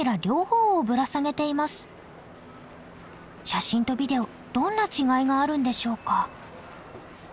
写真とビデオどんな違いがあるんでしょうか？